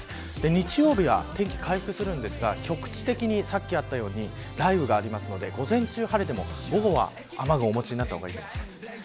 日曜日は天気回復しますが局地的に雷雨がありますので午前中晴れても、午後は雨具をお持ちになった方がいいと思います。